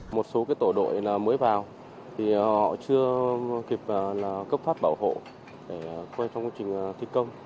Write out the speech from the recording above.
một số tổ đội mới vào thì họ chưa kịp cấp phát bảo hộ để quay trong quá trình thi công